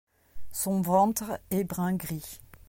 Son ventre est brun gris.